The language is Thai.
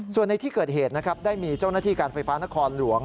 ส่วนในที่เกิดเหตุนะครับได้มีเจ้าหน้าที่การไฟฟ้านครหลวง